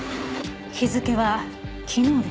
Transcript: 日付は昨日ですね。